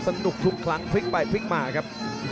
สนุกทุกครั้งพลิกไปพลิกมาครับ